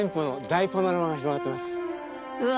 うわ！